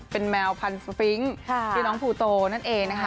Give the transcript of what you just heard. เป็นแมวพันธุ์ฟิงก์ที่น้องพูโตนั่นเอง